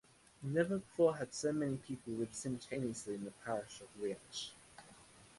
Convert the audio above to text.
Never before had so many people lived simultaneously in the parish of Weiach.